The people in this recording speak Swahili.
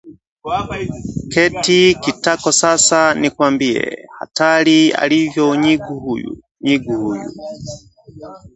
Keti kitako sasa nikwambie: Hatari alivyo nyigu huyu; nyigu huyu